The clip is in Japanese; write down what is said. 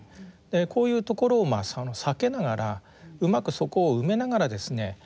こういうところを避けながらうまくそこを埋めながらですね